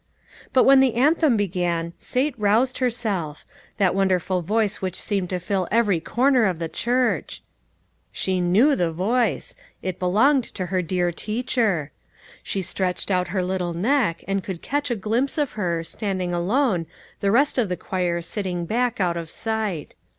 But when the anthem began, Sate roused her self. That wonderful voice which seemed to fill 356 LITTLE FISHERS: AND THEIR NETS. every corner of the church ! She knew the voice ; it belonged to her dear teacher. She stretched out her little neck, and could catch a glimpse of her, standing alone, the rest of the choir sitting back, out of sight.